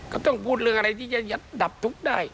ก็ต้องพูดเรื่องอะไรที่จะดับทุกข์ได้